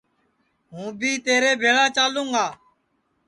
ہوں بی تیرے بھیݪا چالوں گا